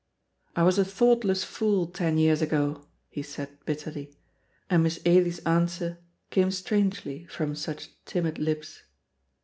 "I was a thoughtless fool ten years ago," he said, bitterly, and Miss Ailie's answer came strangely from such timid lips.